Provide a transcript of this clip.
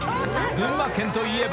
［群馬県といえば］